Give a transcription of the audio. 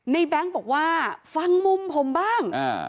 แบงค์บอกว่าฟังมุมผมบ้าง